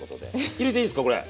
入れていいんすかこれ。